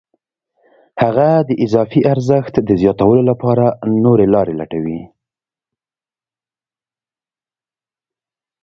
هغه د اضافي ارزښت د زیاتولو لپاره نورې لارې لټوي